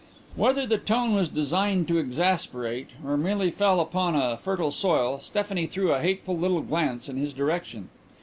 Whether the tone was designed to exasperate or merely fell upon a fertile soil, Stephanie threw a hateful little glance in his direction.